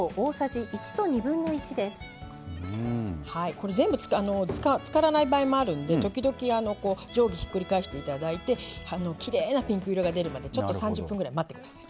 これ全部漬からない場合もあるんで時々上下ひっくり返していただいてきれいなピンク色が出るまで３０分ぐらい待ってください。